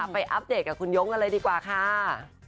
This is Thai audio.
อัปเดตกับคุณยงกันเลยดีกว่าค่ะ